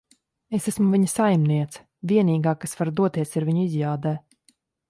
Es esmu viņa saimniece. Vienīgā, kas var doties ar viņu izjādē.